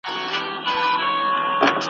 ویل خدایه تا ویل زه دي پالمه ,